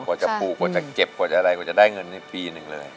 กว่าจะปลูกกว่าจะเก็บกว่าจะอะไรกว่าจะได้เงินให้ปีหนึ่งเลย